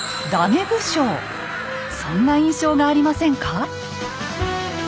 そんな印象がありませんか？